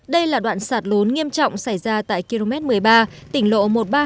đây là đoạn sạt lún nghiêm trọng xảy ra tại km một mươi ba tỉnh lộ một trăm ba mươi